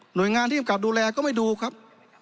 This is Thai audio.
หน่วยงานที่กลับดูแลก็ไม่ดูครับ